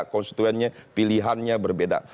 konstituennya pilihannya berbeda